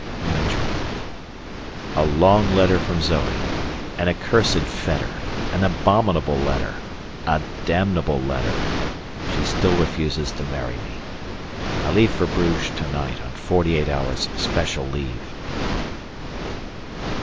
A long letter from Zoe: an accursed fetter an abominable letter a damnable letter; she still refuses to marry me. I leave for Bruges to night on forty eight hours' special leave.